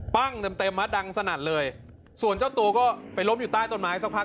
เต็มเต็มฮะดังสนั่นเลยส่วนเจ้าตัวก็ไปล้มอยู่ใต้ต้นไม้สักพัก